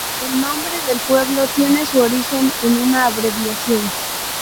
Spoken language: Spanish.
El nombre del pueblo tiene su origen en una abreviación.